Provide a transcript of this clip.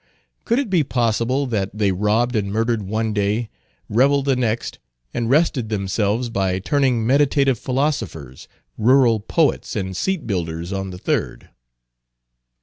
Could it be possible, that they robbed and murdered one day, reveled the next, and rested themselves by turning meditative philosophers, rural poets, and seat builders on the third?